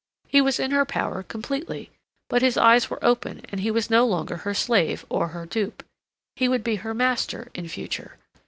He was in her power completely, but his eyes were open and he was no longer her slave or her dupe. He would be her master in future.